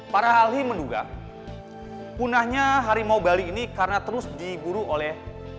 para ahli menduga punahnya harimau bali ini karena terus diburu oleh